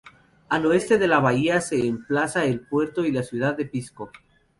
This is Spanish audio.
Al oeste de la bahía se emplaza el puerto y la ciudad de Pisco.